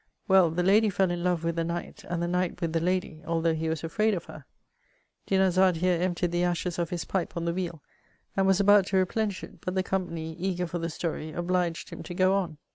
Well, the lady fell in love with the knight, and the knight with the lady, although he was «&aid of her." Dinarzade here emptied the ashes of his pipe on the wheel, and was about to replenish it, but the company, eager for the story, obliged him to go on.